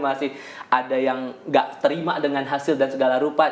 masih ada yang gak terima dengan hasil dan segala rupa